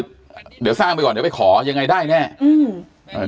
เดี๋ยวสร้างไปก่อนเดี๋ยวไปขอยังไงได้แน่อืมเอ่อ